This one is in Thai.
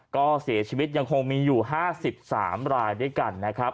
ก็เสียชีวิตยังคงมีอยู่๕๓รายด้วยกันนะครับ